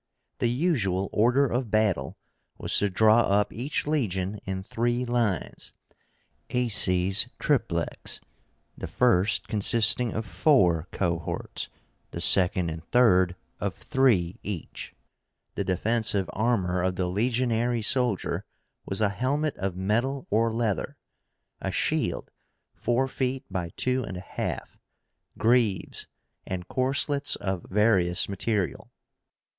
The usual order of battle was to draw up each legion in three lines (acies triplex), the first consisting of four cohorts, the second and third of three each. The defensive armor of the legionary soldier was a helmet of metal or leather, a shield (four feet by two and a half), greaves, and corselets of various material.